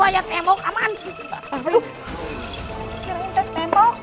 wajah tembok aman